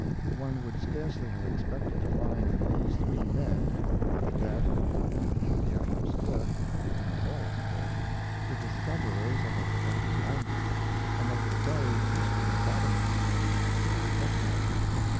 One would scarcely have expected to find in these three men, a cadet, an India House clerk, and a lawyer's clerk, the discoverers of a forgot ten language, and of the buried history of Babylon; yet it was so.